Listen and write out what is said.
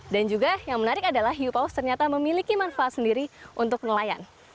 dan juga yang menarik adalah hiu paus ternyata memiliki manfaat sendiri untuk nelayan